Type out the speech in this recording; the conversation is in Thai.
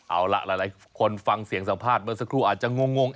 เอาล่ะหลายคนฟังเสียงสัมภาษณ์เมื่อสักครู่อาจจะงง